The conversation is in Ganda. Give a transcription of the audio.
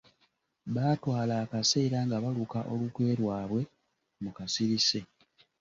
Baatwala akaseera nga baluka olukwe lwabwe mu kasirise.